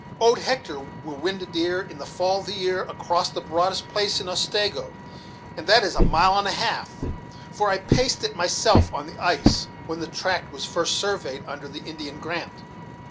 Old Hector will wind a deer, in the fall of the year, across the broadest place in the Otsego, and that is a mile and a half, for I paced it my self on the ice, when the tract was first surveyed, under the Indian grant."